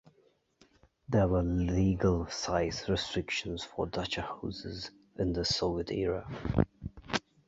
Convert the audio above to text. There were legal size restrictions for dacha houses in the Soviet era.